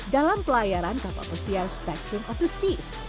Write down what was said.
dalam pelayaran kapal pesiar spectrum of the seas